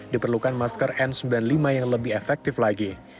diperlukan masker n sembilan puluh lima yang lebih efektif lagi